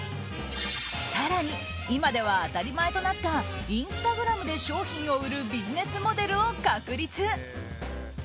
更に今では当たり前となったインスタグラムで商品を売るビジネスモデルを確立。